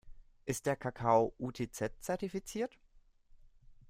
Ist der Kakao UTZ-zertifiziert?